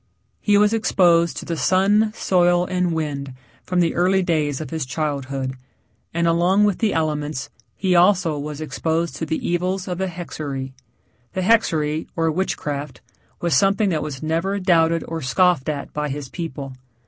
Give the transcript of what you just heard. He was exposed to the sun, soil, and wind from the early days of his childhood, and along with the elements he also was exposed to the evils of the hexerei. The hexerei, or witchcraft, was something that was never doubted or scoffed at by his people.